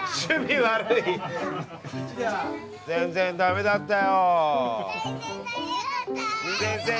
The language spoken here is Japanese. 「全然駄目だったよ」